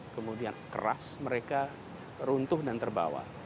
kemudian keras mereka runtuh dan terbawa